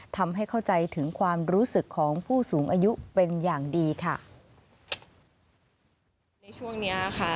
ทำให้เข้าใจถึงความรู้สึกของผู้สูงอายุเป็นอย่างดีค่ะในช่วงเนี้ยค่ะ